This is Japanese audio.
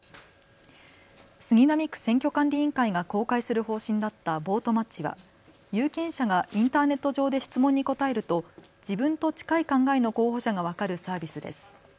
杉並区選挙管理委員会が公開する方針だったボートマッチは有権者がインターネット上で質問に答えると自分と近い考えの候補者が分かるサービスです。